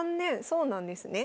そうなんですね。